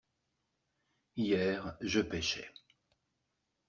Hier je pêchais.